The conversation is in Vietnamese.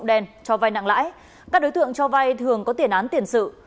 các đối tượng cho vai nặng lãi các đối tượng cho vai thường có tiền án tiền sự